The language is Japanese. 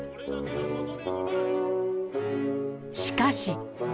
しかし。